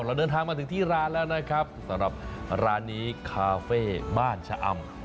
เราเดินทางมาถึงที่ร้านแล้วนะครับสำหรับร้านนี้คาเฟ่บ้านชะอำ